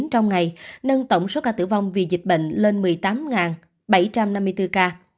trong ngày nâng tổng số ca tử vong vì dịch bệnh lên một mươi tám bảy trăm năm mươi bốn ca